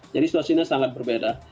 jadi situasinya sangat berbeda